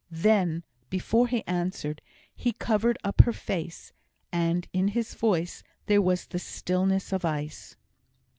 Then, before he answered, he covered up her face; and in his voice there was the stillness of ice.